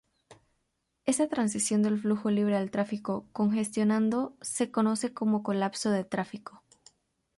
Esta transición del flujo libre al tráfico congestionado se conoce como "colapso del tráfico".